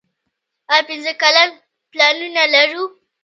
آیا پنځه کلن پلانونه لرو؟